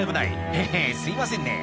「ヘヘすいませんね